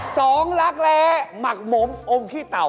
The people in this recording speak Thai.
สองหลักแหละมักหมมอมพี่เตา